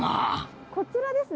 こちらですね。